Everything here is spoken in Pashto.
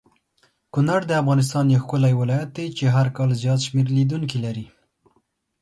کونړ دافغانستان یو ښکلی ولایت دی چی هرکال زیات شمیر لیدونکې لری